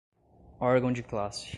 órgão de classe